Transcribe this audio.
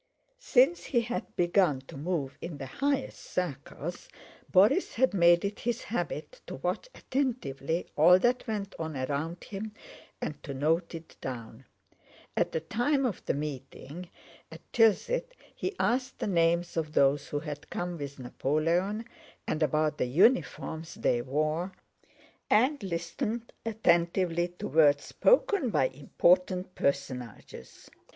Since he had begun to move in the highest circles Borís had made it his habit to watch attentively all that went on around him and to note it down. At the time of the meeting at Tilsit he asked the names of those who had come with Napoleon and about the uniforms they wore, and listened attentively to words spoken by important personages.